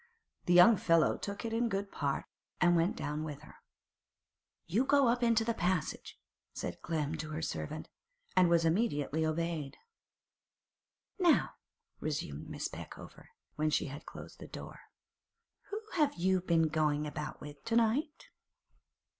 The young fellow took it in good part, and went down with her. 'You go up into the passage,' said Clem to her servant, and was immediately obeyed. 'Now,' resumed Miss Peckover, when she had closed the door, 'who have you been goin' about with to night?